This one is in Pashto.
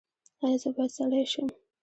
ایا زه باید سړی شم؟